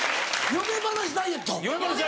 嫁話ダイエット！